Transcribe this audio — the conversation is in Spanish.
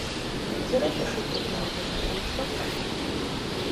¿ Quieres decir que tiene hiperimpulso?